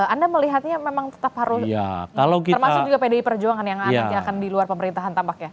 anda melihatnya memang tetap harus termasuk juga pdi perjuangan yang nantinya akan di luar pemerintahan tampaknya